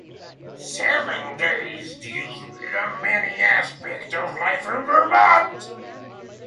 "Seven Days" deals with many aspects of life in Vermont.